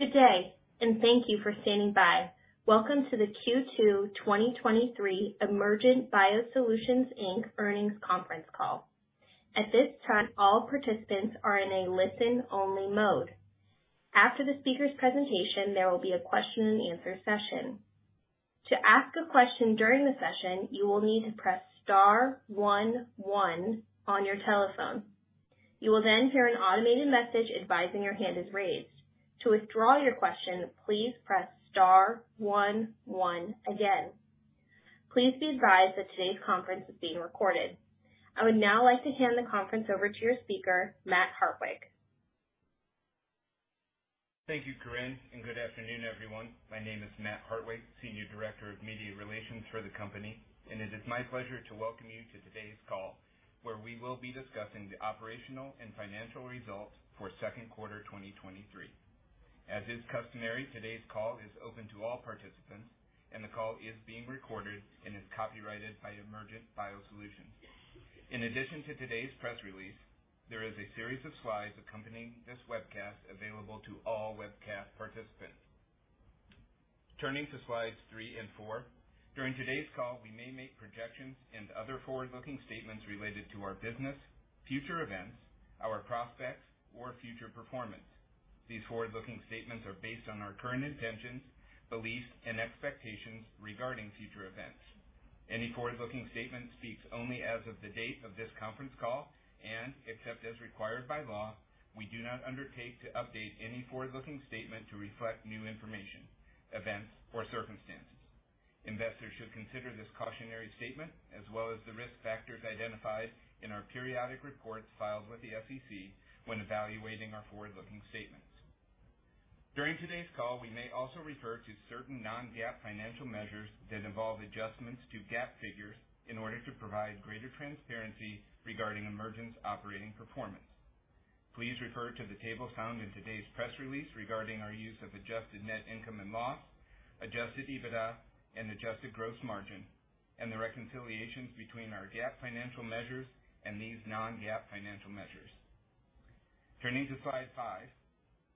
Good day, and thank you for standing by. Welcome to the Q2 2023 Emergent BioSolutions Inc earnings conference call. At this time, all participants are in a listen-only mode. After the speaker's presentation, there will be a question and answer session. To ask a question during the session, you will need to press star one one on your telephone. You will then hear an automated message advising your hand is raised. To withdraw your question, please press star one one again. Please be advised that today's conference is being recorded. I would now like to hand the conference over to your speaker, Matt Hartwig. Thank you, Corinne. Good afternoon, everyone. My name is Matt Hartwig, Senior Director of Media Relations for the company, and it is my pleasure to welcome you to today's call, where we will be discussing the operational and financial results for second quarter 2023. As is customary, today's call is open to all participants, and the call is being recorded and is copyrighted by Emergent BioSolutions. In addition to today's press release, there is a series of slides accompanying this webcast available to all webcast participants. Turning to slides 3 and 4. During today's call, we may make projections and other forward-looking statements related to our business, future events, our prospects, or future performance. These forward-looking statements are based on our current intentions, beliefs, and expectations regarding future events. Any forward-looking statement speaks only as of the date of this conference call, and except as required by law, we do not undertake to update any forward-looking statement to reflect new information, events, or circumstances. Investors should consider this cautionary statement, as well as the risk factors identified in our periodic reports filed with the SEC, when evaluating our forward-looking statements. During today's call, we may also refer to certain non-GAAP financial measures that involve adjustments to GAAP figures in order to provide greater transparency regarding Emergent's operating performance. Please refer to the table found in today's press release regarding our use of adjusted net income and loss, adjusted EBITDA and adjusted gross margin, and the reconciliations between our GAAP financial measures and these non-GAAP financial measures. Turning to slide 5,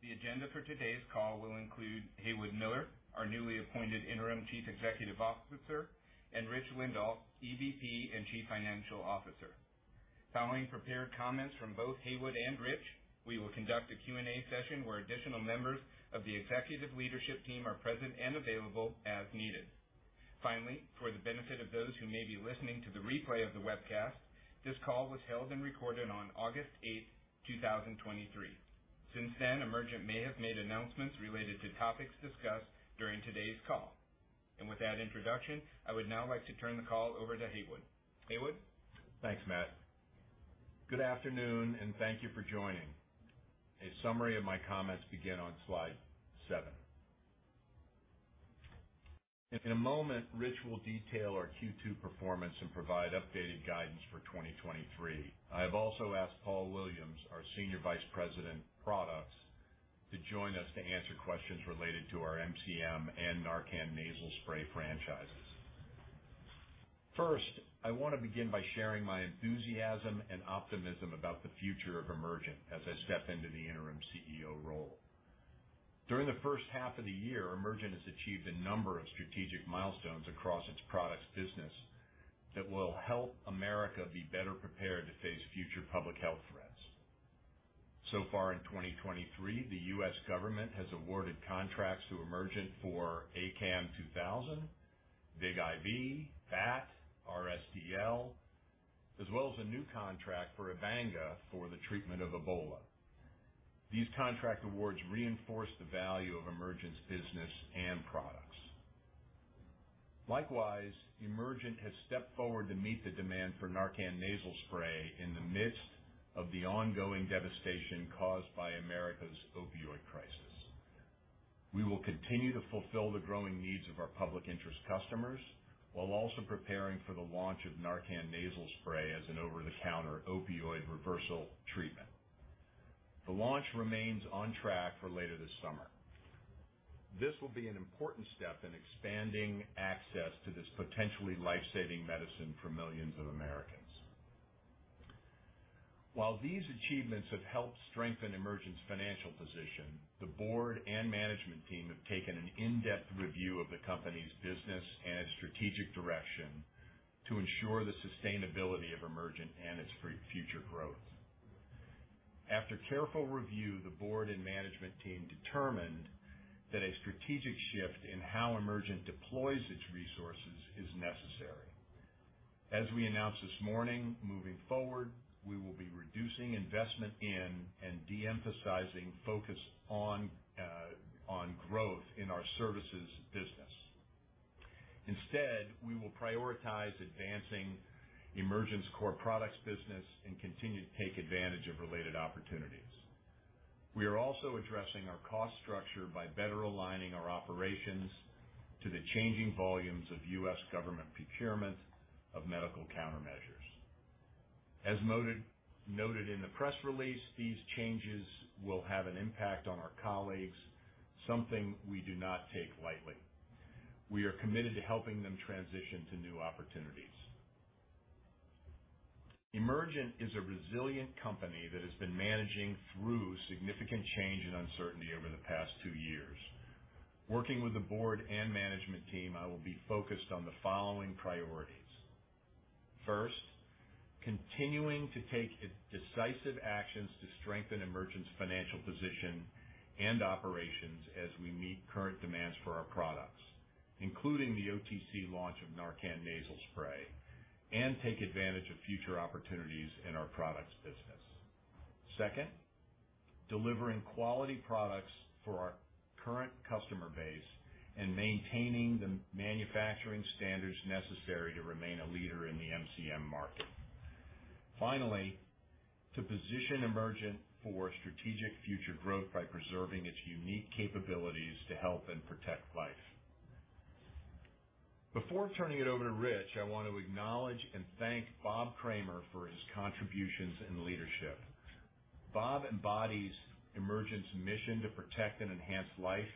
the agenda for today's call will include Haywood Miller, our newly appointed Interim Chief Executive Officer, and Rich Lindahl, EVP and Chief Financial Officer. Following prepared comments from both Haywood and Rich, we will conduct a Q&A session where additional members of the executive leadership team are present and available as needed. Finally, for the benefit of those who may be listening to the replay of the webcast, this call was held and recorded on August 8, 2023. Since then, Emergent may have made announcements related to topics discussed during today's call. With that introduction, I would now like to turn the call over to Haywood. Haywood? Thanks, Matt. Good afternoon, and thank you for joining. A summary of my comments begin on slide 7. In a moment, Rich will detail our Q2 performance and provide updated guidance for 2023. I have also asked Paul Williams, our Senior Vice President, Products, to join us to answer questions related to our MCM and NARCAN nasal spray franchises. First, I want to begin by sharing my enthusiasm and optimism about the future of Emergent as I step into the interim CEO role. During the first half of the year, Emergent has achieved a number of strategic milestones across its products business that will help America be better prepared to face future public health threats. Far in 2023, the U.S. government has awarded contracts to Emergent for ACAM2000, VIGIV, BAT, RSDL, as well as a new contract for for the treatment of Ebola. These contract awards reinforce the value of Emergent's business and products. Likewise, Emergent has stepped forward to meet the demand for NARCAN Nasal Spray in the midst of the ongoing devastation caused by America's opioid crisis. We will continue to fulfill the growing needs of our public interest customers, while also preparing for the launch of NARCAN Nasal Spray as an over-the-counter opioid reversal treatment. The launch remains on track for later this summer. This will be an important step in expanding access to this potentially life-saving medicine for millions of Americans. While these achievements have helped strengthen Emergent's financial position, the board and management team have taken an in-depth review of the company's business and its strategic direction to ensure the sustainability of Emergent and its future growth. After careful review, the board and management team determined that a strategic shift in how Emergent deploys its resources is necessary. As we announced this morning, moving forward, we will be reducing investment in and de-emphasizing focus on, on growth in our services business. We will prioritize advancing Emergent's core products business and continue to take advantage of related opportunities. We are also addressing our cost structure by better aligning our operations to the changing volumes of U.S. government procurement of medical countermeasures. As noted in the press release, these changes will have an impact on our colleagues, something we do not take lightly. We are committed to helping them transition to new opportunities. Emergent is a resilient company that has been managing through significant change and uncertainty over the past two years. Working with the board and management team, I will be focused on the following priorities: First, continuing to take decisive actions to strengthen Emergent's financial position and operations as we meet current demands for our products, including the OTC launch of NARCAN Nasal Spray, and take advantage of future opportunities in our products business. Second, delivering quality products for our current customer base and maintaining the manufacturing standards necessary to remain a leader in the MCM market. Finally, to position Emergent for strategic future growth by preserving its unique capabilities to help and protect life. Before turning it over to Rich, I want to acknowledge and thank Bob Kramer for his contributions and leadership. Bob embodies Emergent's mission to protect and enhance life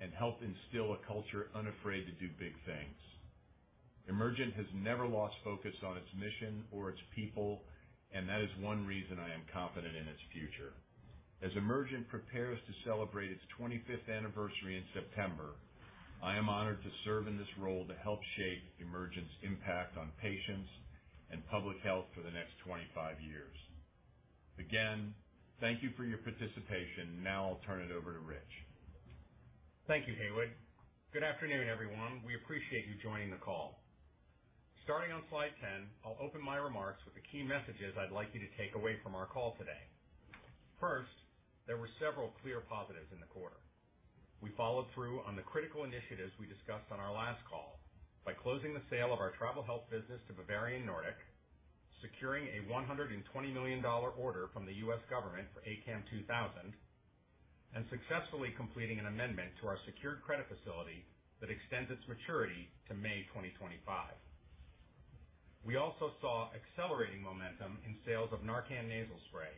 and help instill a culture unafraid to do big things. Emergent has never lost focus on its mission or its people, and that is one reason I am confident in its future. As Emergent prepares to celebrate its 25th anniversary in September, I am honored to serve in this role to help shape Emergent's impact on patients and public health for the next 25 years. Again, thank you for your participation. Now I'll turn it over to Rich. Thank you, Haywood. Good afternoon, everyone. We appreciate you joining the call. Starting on slide 10, I'll open my remarks with the key messages I'd like you to take away from our call today. First, there were several clear positives in the quarter. We followed through on the critical initiatives we discussed on our last call by closing the sale of our travel health business to Bavarian Nordic, securing a $120 million order from the U.S. government for ACAM2000, and successfully completing an amendment to our secured credit facility that extends its maturity to May 2025. We also saw accelerating momentum in sales of NARCAN nasal spray,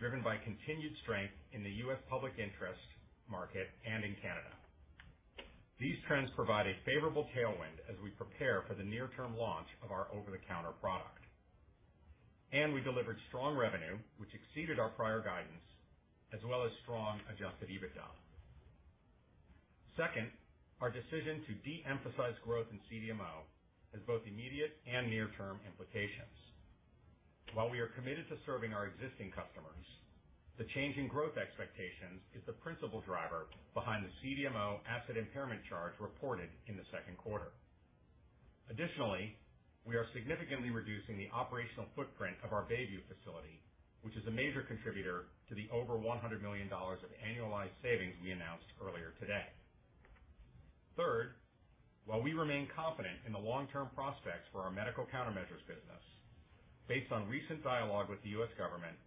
driven by continued strength in the U.S. public interest market and in Canada. These trends provide a favorable tailwind as we prepare for the near-term launch of our over-the-counter product. We delivered strong revenue, which exceeded our prior guidance, as well as strong Adjusted EBITDA. Second, our decision to de-emphasize growth in CDMO has both immediate and near-term implications. While we are committed to serving our existing customers, the change in growth expectations is the principal driver behind the CDMO asset impairment charge reported in the second quarter. Additionally, we are significantly reducing the operational footprint of our Bayview facility, which is a major contributor to the over $100 million of annualized savings we announced earlier today. Third, while we remain confident in the long-term prospects for our medical countermeasures business, based on recent dialogue with the U.S. government,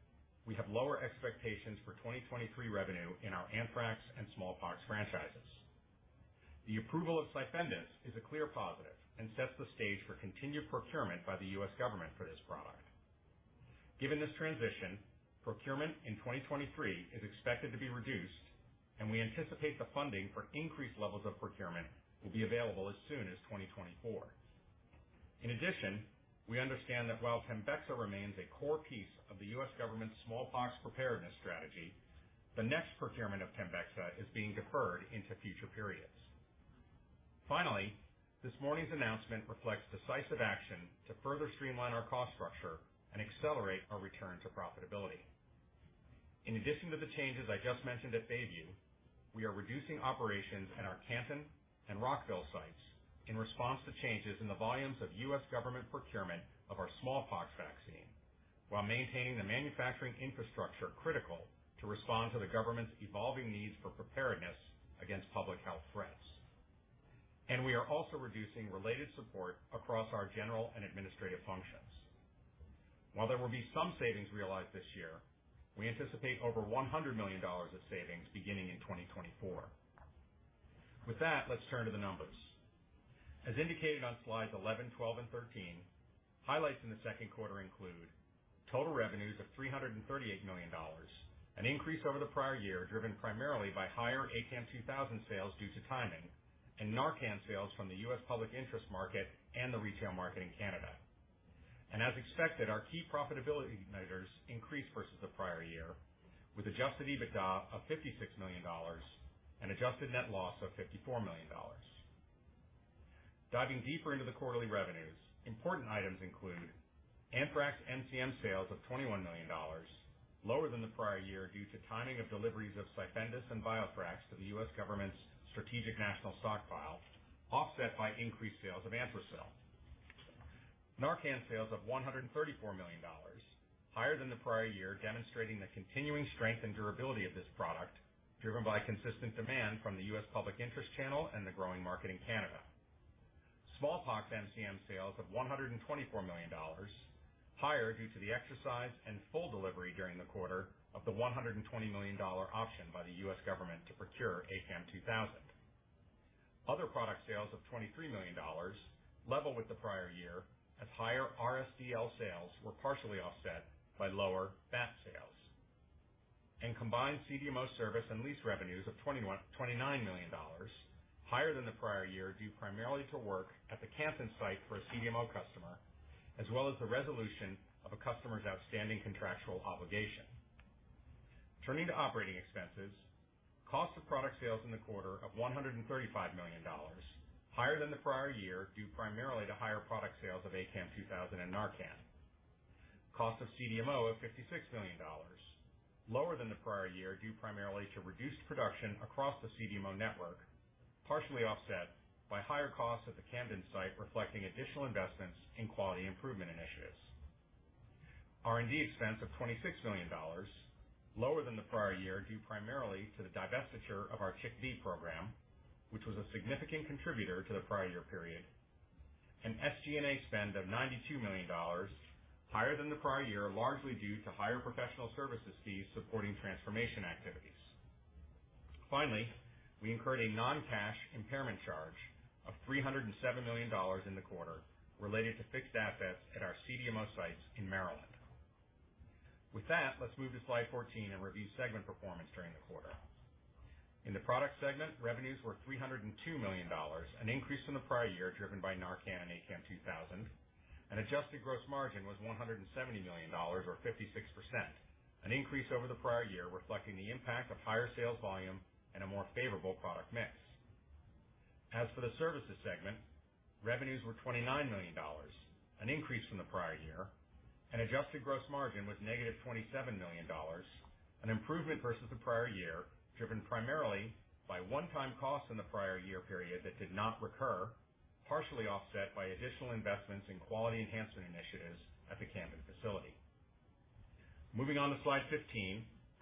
we have lower expectations for 2023 revenue in our anthrax and smallpox franchises. The approval of CYFENDUS is a clear positive and sets the stage for continued procurement by the U.S. government for this product. Given this transition, procurement in 2023 is expected to be reduced, and we anticipate the funding for increased levels of procurement will be available as soon as 2024. In addition, we understand that while Tembexa remains a core piece of the U.S. government's smallpox preparedness strategy, the next procurement of Tembexa is being deferred into future periods. Finally, this morning's announcement reflects decisive action to further streamline our cost structure and accelerate our return to profitability. In addition to the changes I just mentioned at Bayview, we are reducing operations at our Canton and Rockville sites in response to changes in the volumes of U.S. government procurement of our smallpox vaccine, while maintaining the manufacturing infrastructure critical to respond to the government's evolving needs for preparedness against public health threats. We are also reducing related support across our general and administrative functions. While there will be some savings realized this year, we anticipate over $100 million of savings beginning in 2024. With that, let's turn to the numbers. As indicated on slides 11, 12, and 13, highlights in the second quarter include total revenues of $338 million, an increase over the prior year, driven primarily by higher ACAM2000 sales due to timing, and NARCAN sales from the U.S. public interest market and the retail market in Canada. As expected, our key profitability measures increased versus the prior year, with Adjusted EBITDA of $56 million and adjusted net loss of $54 million. Diving deeper into the quarterly revenues, important items include anthrax MCM sales of $21 million, lower than the prior year due to timing of deliveries of CYFENDUS and BioThrax to the U.S. government's Strategic National Stockpile, offset by increased sales of Anthrasil. Narcan sales of $134 million, higher than the prior year, demonstrating the continuing strength and durability of this product, driven by consistent demand from the U.S. public interest channel and the growing market in Canada. Smallpox MCM sales of $124 million, higher due to the exercise and full delivery during the quarter of the $120 million option by the U.S. government to procure ACAM2000. Other product sales of $23 million, level with the prior year, as higher RSDL sales were partially offset by lower BAT sales. Combined CDMO service and lease revenues of $29 million, higher than the prior year, due primarily to work at the Camden site for a CDMO customer, as well as the resolution of a customer's outstanding contractual obligation. Turning to operating expenses, cost of product sales in the quarter of $135 million, higher than the prior year, due primarily to higher product sales of ACAM2000 and NARCAN. Cost of CDMO of $56 million, lower than the prior year, due primarily to reduced production across the CDMO network, partially offset by higher costs at the Camden site, reflecting additional investments in quality improvement initiatives. R&D expense of $26 million, lower than the prior year, due primarily to the divestiture of our CHIKV program, which was a significant contributor to the prior year period. SG&A spend of $92 million, higher than the prior year, largely due to higher professional services fees supporting transformation activities. Finally, we incurred a non-cash impairment charge of $307 million in the quarter related to fixed assets at our CDMO sites in Maryland. With that, let's move to slide 14 and review segment performance during the quarter. In the products segment, revenues were $302 million, an increase from the prior year, driven by NARCAN and ACAM2000, and Adjusted Gross Margin was $170 million, or 56%, an increase over the prior year, reflecting the impact of higher sales volume and a more favorable product mix. As for the services segment, revenues were $29 million, an increase from the prior year, and Adjusted Gross Margin was negative $27 million, an improvement versus the prior year, driven primarily by one-time costs in the prior year period that did not recur, partially offset by additional investments in quality enhancement initiatives at the Camden facility. Moving on to slide 15,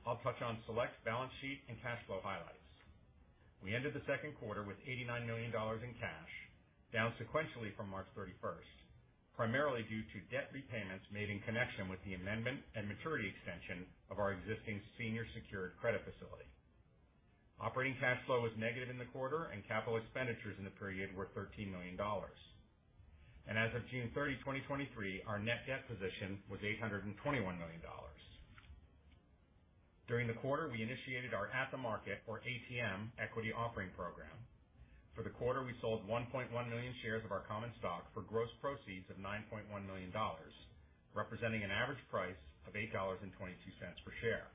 I'll touch on select balance sheet and cash flow highlights. We ended the second quarter with $89 million in cash, down sequentially from March 31st, primarily due to debt repayments made in connection with the amendment and maturity extension of our existing senior secured credit facility. Operating cash flow was negative in the quarter. Capital expenditures in the period were $13 million. As of June 30, 2023, our net debt position was $821 million. During the quarter, we initiated our at-the-market, or ATM, equity offering program. For the quarter, we sold 1.1 million shares of our common stock for gross proceeds of $9.1 million, representing an average price of $8.22 per share.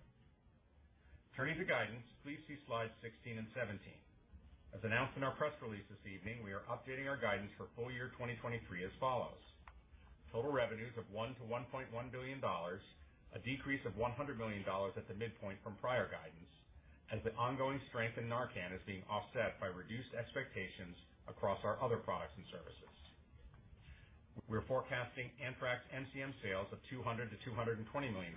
Turning to guidance, please see slides 16 and 17. As announced in our press release this evening, we are updating our guidance for full year 2023 as follows: total revenues of $1 billion-$1.1 billion, a decrease of $100 million at the midpoint from prior guidance, as the ongoing strength in NARCAN is being offset by reduced expectations across our other products and services. We're forecasting anthrax MCM sales of $200 million-$220 million,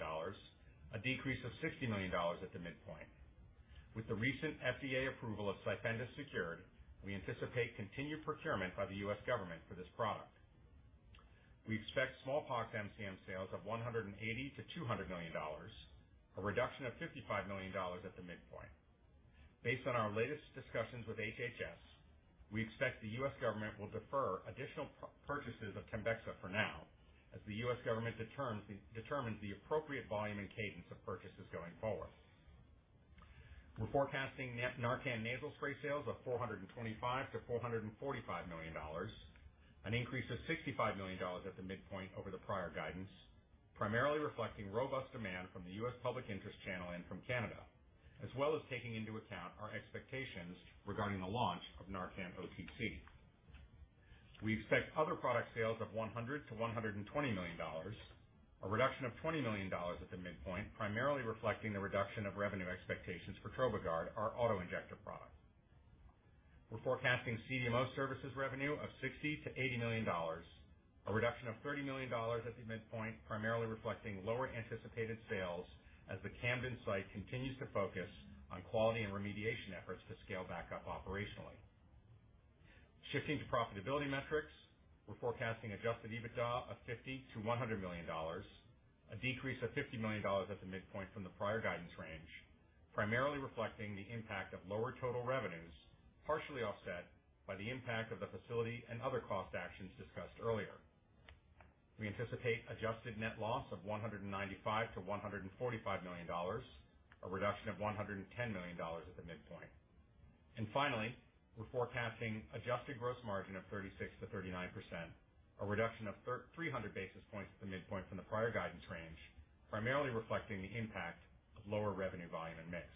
a decrease of $60 million at the midpoint. With the recent FDA approval of CYFENDUS, we anticipate continued procurement by the U.S. government for this product. We expect smallpox MCM sales of $180 million-$200 million, a reduction of $55 million at the midpoint. Based on our latest discussions with HHS, we expect the U.S. government will defer additional purchases of Tembexa for now, as the U.S. government determines the appropriate volume and cadence of purchases going forward. We're forecasting NARCAN Nasal Spray sales of $425 million-$445 million, an increase of $65 million at the midpoint over the prior guidance, primarily reflecting robust demand from the U.S. public interest channel and from Canada, as well as taking into account our expectations regarding the launch of Narcan OTC. We expect other product sales of $100 million-$120 million, a reduction of $20 million at the midpoint, primarily reflecting the reduction of revenue expectations for Trobigard, our auto injector product. We're forecasting CDMO services revenue of $60 million-$80 million, a reduction of $30 million at the midpoint, primarily reflecting lower anticipated sales as the Camden site continues to focus on quality and remediation efforts to scale back up operationally. Shifting to profitability metrics, we're forecasting adjusted EBITDA of $50 million-$100 million, a decrease of $50 million at the midpoint from the prior guidance range, primarily reflecting the impact of lower total revenues, partially offset by the impact of the facility and other cost actions discussed earlier. We anticipate adjusted net loss of $195 million-$145 million, a reduction of $110 million at the midpoint. Finally, we're forecasting Adjusted Gross Margin of 36%-39%, a reduction of 300 basis points at the midpoint from the prior guidance range, primarily reflecting the impact of lower revenue volume and mix.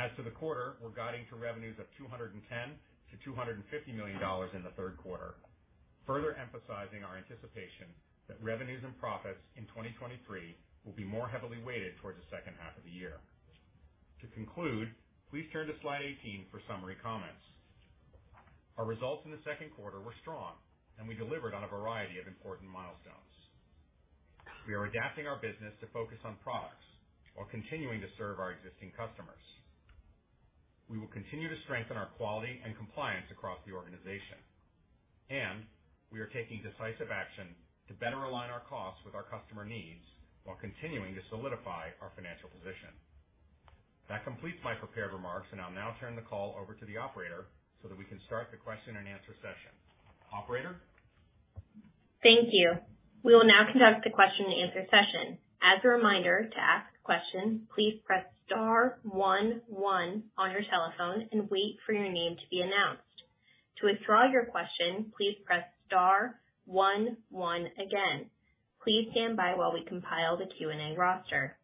As to the quarter, we're guiding to revenues of $210 million-$250 million in the third quarter, further emphasizing our anticipation that revenues and profits in 2023 will be more heavily weighted towards the second half of the year. To conclude, please turn to slide 18 for summary comments. Our results in the second quarter were strong, we delivered on a variety of important milestones. We are adapting our business to focus on products while continuing to serve our existing customers. We will continue to strengthen our quality and compliance across the organization. We are taking decisive action to better align our costs with our customer needs while continuing to solidify our financial position. That completes my prepared remarks. I'll now turn the call over to the operator, so that we can start the question and answer session. Operator? Thank you. We will now conduct the question and answer session. As a reminder, to ask a question, please press star one one on your telephone and wait for your name to be announced. To withdraw your question, please press star one one again. Please stand by while we compile the Q&A roster.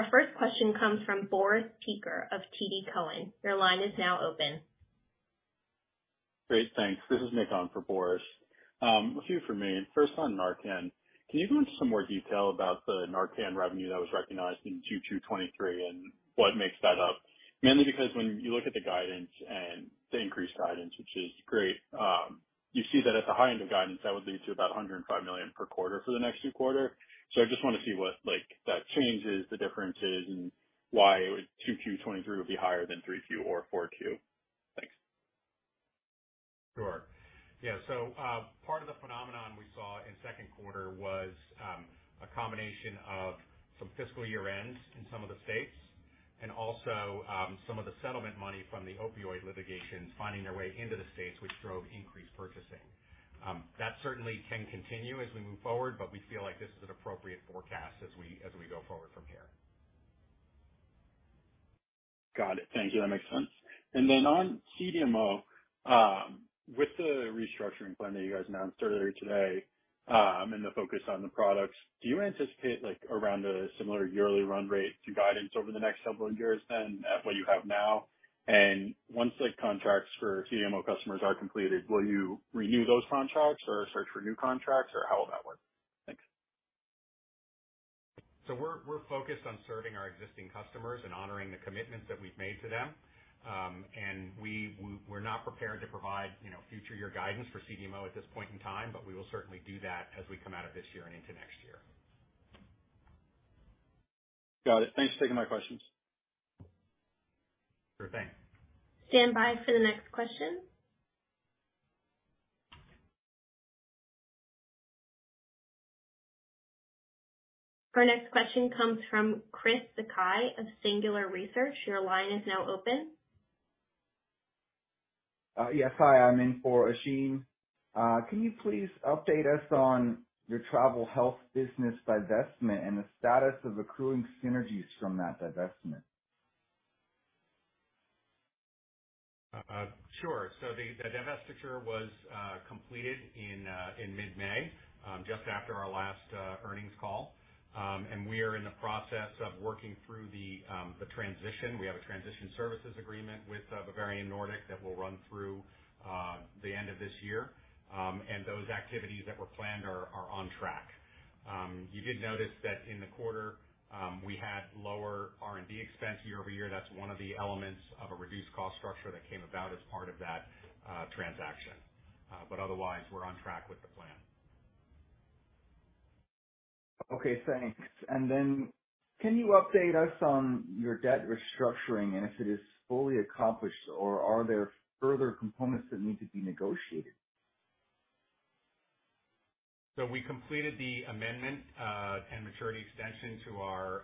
Our first question comes from Boris Peaker of TD Cowen. Your line is now open. Great, thanks. This is Nikhil for Boris. A few from me. First, on NARCAN, can you go into some more detail about the NARCAN revenue that was recognized in 2Q 2023 and what makes that up? Mainly because when you look at the guidance and the increased guidance, which is great, you see that at the high end of guidance, that would lead to about $105 million per quarter for the next 2 quarters. I just want to see what, like, that change is, the difference is, and why 2Q 2023 would be higher than 3Q or 4Q. Thanks. Sure. Yeah. Part of the phenomenon we saw in second quarter was a combination of some fiscal year ends in some of the states, and also, some of the settlement money from the opioid litigation finding their way into the states, which drove increased purchasing. That certainly can continue as we move forward, but we feel like this is an appropriate forecast as we, as we go forward from here. Got it. Thank you. That makes sense. Then on CDMO, with the restructuring plan that you guys announced earlier today, and the focus on the products, do you anticipate like around a similar yearly run rate to guidance over the next several years than what you have now? Once, like, contracts for CDMO customers are completed, will you renew those contracts or search for new contracts, or how will that work? Thanks. We're focused on serving our existing customers and honoring the commitments that we've made to them. We're not prepared to provide, you know, future year guidance for CDMO at this point in time, but we will certainly do that as we come out of this year and into next year. Got it. Thanks for taking my questions. Sure thing. Stand by for the next question. Our next question comes from Chris Sakai of Singular Research. Your line is now open. Yes. Hi, I'm in for Chris. Can you please update us on your travel health business divestment and the status of accruing synergies from that divestment? Sure. The divestiture was completed in mid-May, just after our last earnings call. We are in the process of working through the transition. We have a transition services agreement with Bavarian Nordic, that will run through the end of this year. Those activities that were planned are on track. You did notice that in the quarter, we had lower R&D expense year-over-year. That's one of the elements of a reduced cost structure that came about as part of that transaction. Otherwise, we're on track with the plan. Okay, thanks. Can you update us on your debt restructuring and if it is fully accomplished, or are there further components that need to be negotiated? We completed the amendment and maturity extension to our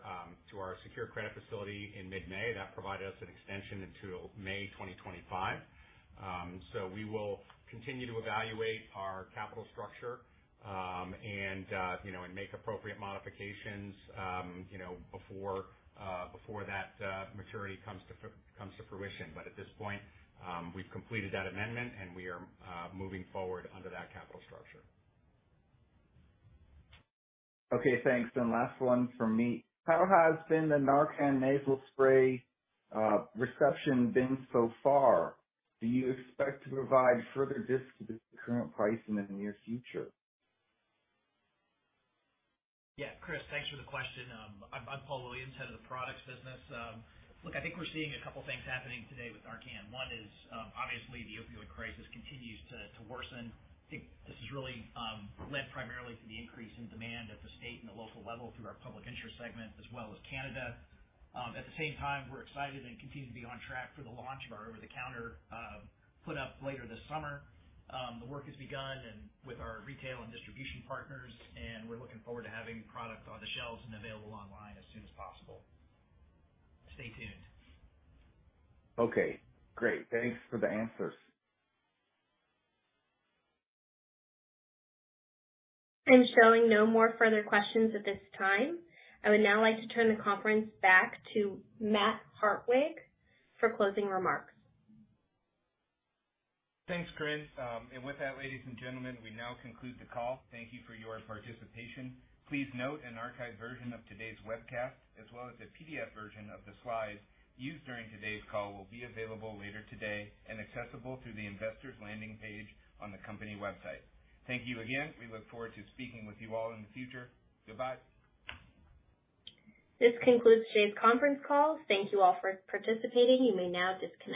secure credit facility in mid-May. That provided us an extension until May 2025. We will continue to evaluate our capital structure and, you know, and make appropriate modifications, you know, before that maturity comes to fruition. At this point, we've completed that amendment, and we are moving forward under that capital structure. Okay, thanks. Last one from me. How has been the NARCAN Nasal Spray reception been so far? Do you expect to provide further discounts to the current price in the near future? Yeah, Chris, thanks for the question. I'm Paul Williams, head of the products business. Look, I think we're seeing a couple things happening today with NARCAN. One is, obviously the opioid crisis continues to, to worsen. I think this has really, led primarily to the increase in demand at the state and the local level through our public interest segment as well as Canada. At the same time, we're excited and continue to be on track for the launch of our over-the-counter, put up later this summer. The work has begun and with our retail and distribution partners, and we're looking forward to having product on the shelves and available online as soon as possible. Stay tuned. Okay, great. Thanks for the answers. Showing no more further questions at this time. I would now like to turn the conference back to Matt Hartwig for closing remarks. Thanks, Chris. With that, ladies and gentlemen, we now conclude the call. Thank you for your participation. Please note an archived version of today's webcast, as well as a PDF version of the slides used during today's call, will be available later today and accessible through the Investors landing page on the company website. Thank you again. We look forward to speaking with you all in the future. Goodbye! This concludes today's conference call. Thank you all for participating. You may now disconnect.